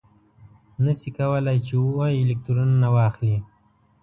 نه شي کولای چې اوه الکترونه واخلي.